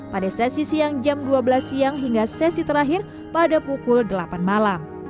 pada sesi siang jam dua belas siang hingga sesi terakhir pada pukul delapan malam